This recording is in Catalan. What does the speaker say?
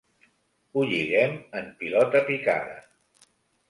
Ho lliguem en pilota picada.